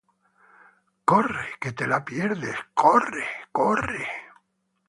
¡ corre que te la pierdes, corre! ¡ corre!